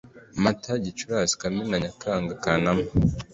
MATA, GICURASI, KAMENA, NYAKANGA .KANAMA.